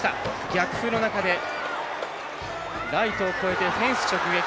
逆風の中でライトを越えて、フェンス直撃。